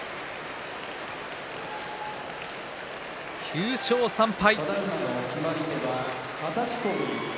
９勝３敗。